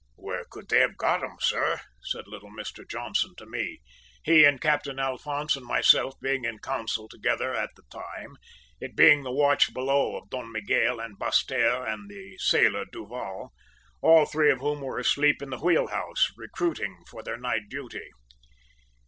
"`Where could they have got 'em, sir?' said little Mr Johnson to me, he and Captain Alphonse and myself being in counsel together at the time, it being the watch below of Don Miguel and Basseterre and the sailor Duval, all three of whom were asleep in the wheel house, recruiting for their night duty.